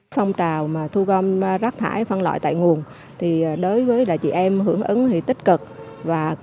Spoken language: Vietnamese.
phong trào thu gom rác thải phân loại tại nguồn đối với chị em hưởng ứng tích cực